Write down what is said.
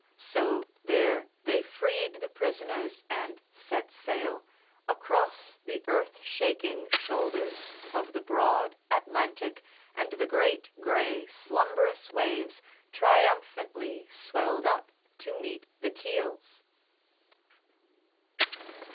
So there they freed the prisoners and set sail Across the earth shaking shoulders of the broad Atlantic, and the great grey slumbrous waves Triumphantly swelled up to meet the keels.